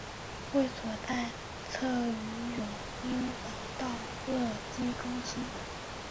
会所在鲗鱼涌英皇道乐基中心。